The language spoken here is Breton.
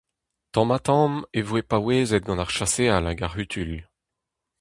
Tamm-ha-tamm e voe paouezet gant ar chaseal hag ar c'hutuilh.